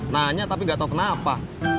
nanya tapi gak tau kenapa